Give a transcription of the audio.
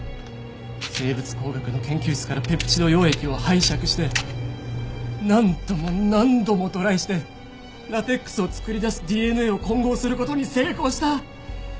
生物工学の研究室からペプチド溶液を拝借して何度も何度もトライしてラテックスを作り出すＤＮＡを混合する事に成功した！